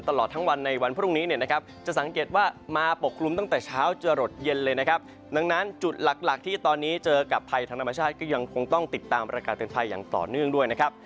ตอนนี้เจอกับภัยทางธรรมชาติก็ยังคงต้องติดตามรายการเตือนภัยอย่างต่อเนื่องด้วยนะครับ